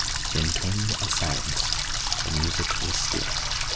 Then came a silence—the music was still.